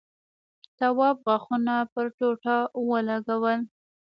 تواب غاښونه پر ټوټه ولگول.